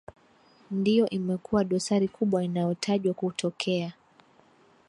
ndiyo imekuwa dosari kubwa inaotajwa kutokea